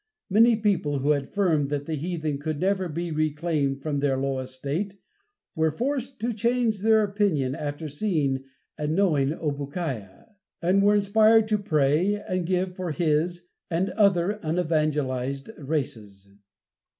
Many people who had affirmed that the heathen could never be reclaimed from their low estate, were forced to change their opinions after seeing and knowing Obookiah, and were inspired to pray and give for his and other unevangelized races.